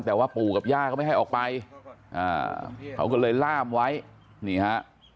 แต่ว่าปู่กับย่าก็ไม่ให้ออกไปอ่าเขาก็เลยล่ามไว้นี่ฮะ